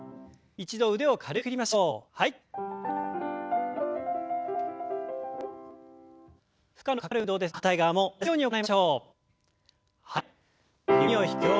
一度腕を軽く振りましょう。